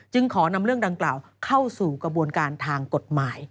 ขอนำเรื่องดังกล่าวเข้าสู่กระบวนการทางกฎหมาย